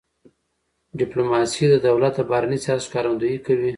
ډيپلوماسي د دولت د بهرني سیاست ښکارندویي کوي.